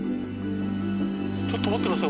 ちょっと待って下さい。